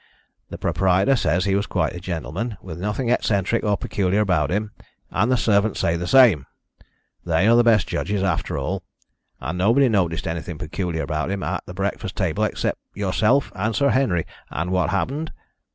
The proprietor says he was quite a gentleman, with nothing eccentric or peculiar about him, and the servants say the same. They are the best judges, after all. And nobody noticed anything peculiar about him at the breakfast table except yourself and Sir Henry and what happened?